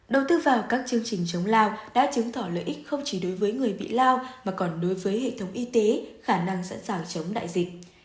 đầu tư vào các chương trình chống lao đã chứng tỏ lợi ích không chỉ đối với người bị lao mà còn đối với hệ thống y tế khả năng sẵn sàng chống đại dịch